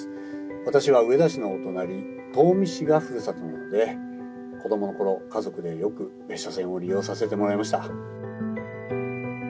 私は上田市のお隣東御市がふるさとなので子供の頃家族でよく別所線を利用させてもらいました。